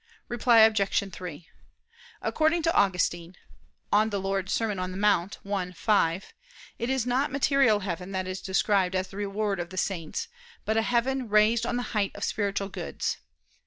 Reply Obj. 3: According to Augustine (De Serm. Dom. in Monte i, 5), it is not material heaven that is described as the reward of the saints, but a heaven raised on the height of spiritual goods.